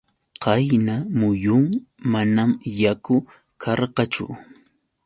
Qayna muyun manam yaku karqachu.